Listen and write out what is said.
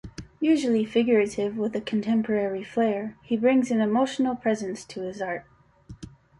Usually figurative with a contemporary flare, he brings an emotional presence to his art.